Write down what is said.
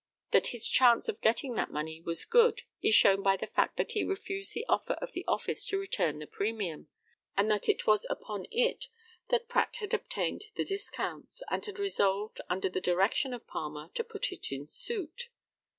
That his chance of getting that money was good is shown by the fact that he refused the offer of the office to return the premium, and that it was upon it that Pratt had obtained the discounts, and had resolved, under the direction of Palmer, to put it in suit.